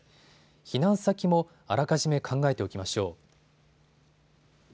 避難先もあらかじめ考えておきましょう。